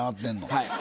はい。